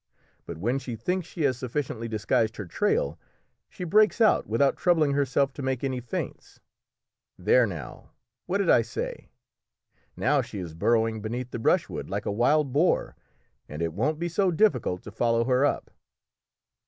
But when she thinks she has sufficiently disguised her trail she breaks out without troubling herself to make any feints. There now! What did I say? Now she is burrowing beneath the brushwood like a wild boar, and it won't be so difficult to follow her up."